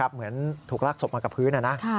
เหมือนถูกลากศพมากับพื้น